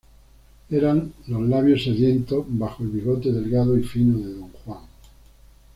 Eran los labios sedientos bajo el bigote delgado y fino de Don Juan.